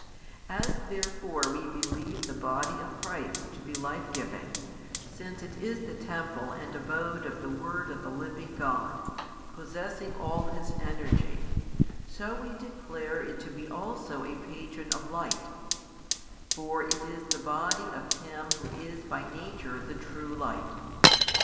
As therefore we believe the Body of Christ to be life giving, since it is the temple and abode of the Word of the Living God, possessing all His energy, so we declare it to be also a Patron of light; for it is the Body of Him Who is by nature the True Light.